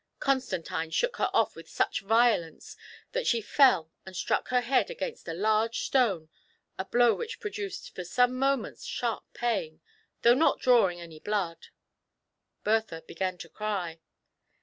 Constantine shook her off" with such violence that she fell and struck her head against a large stone, a blow which produced for some moments sharp pain, though not drawing any blood. Bertha began to cry.